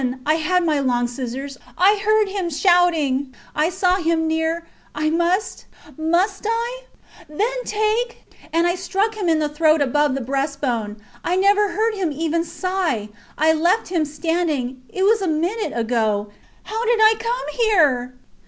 ... I had my long scissors. I heard him shouting ... I saw him near. ... I must must I? ... Then take! ... And I struck him in the throat above the breastbone. ... I never heard him even sigh. ... I left him standing. ... It was a minute ago. How did I come here?